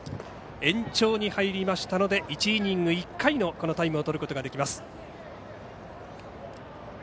延長に入りましたので１イニング１回のタイムを取れます。